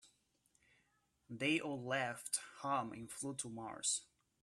They all left home and flew to Mars.